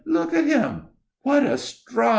look at him!" "What a stride!"